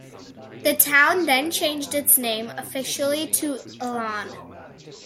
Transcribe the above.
The town then changed its name officially to Elon.